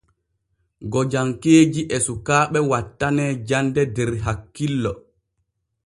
Gojankeeji e sukaaɓe wattanee jande der hakkillo.